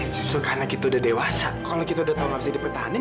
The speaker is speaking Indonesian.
ya justru karena kita udah dewasa kalau kita udah tau gak bisa dipertahankan